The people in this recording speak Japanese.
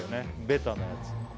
ベタなやつ